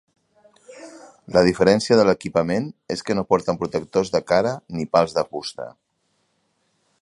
La diferència de l'equipament és que no porten protectors de cara ni pals de fusta.